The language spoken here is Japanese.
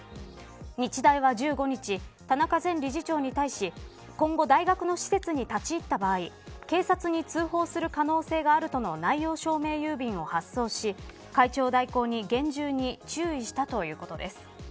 日大は１５日田中前理事長に対し今後大学の施設に立ち入った場合警察に通報する可能性があるとの内容証明郵便を発送し会長代行に厳重に注意したということです。